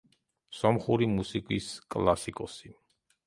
სომხური მუსიკის კლასიკოსი.